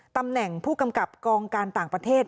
ตำแหน่งผู้กำกับกองการต่างประเทศ